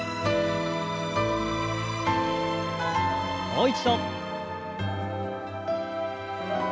もう一度。